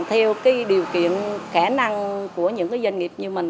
theo cái điều kiện khả năng của những doanh nghiệp như mình